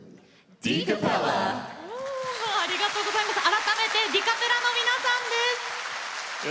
改めて、ディカペラの皆さんです。